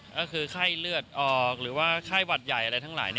ก็คือไข้เลือดออกหรือว่าไข้หวัดใหญ่อะไรทั้งหลาย